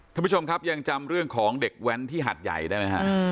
ท่านผู้ชมครับยังจำเรื่องของเด็กแว้นที่หัดใหญ่ได้ไหมฮะ